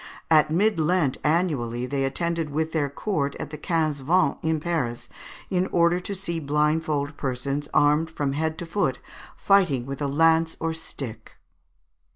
At Mid Lent annually they attended with their court at the Quinze Vingts, in Paris, in order to see blindfold persons, armed from head to foot, fighting with a lance or stick.